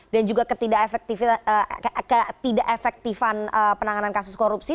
dan juga ketidak efektifan penanganan kasus korupsi